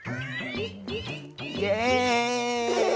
イエイ！